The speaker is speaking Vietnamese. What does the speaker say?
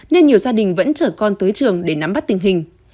nên nhiều gia đình vẫn chở con tới trường để nắm bắt tình hình